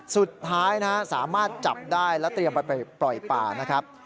สุดท้ายนะฮะสามารถจับได้และเตรียมไปปล่อยป่านะครับ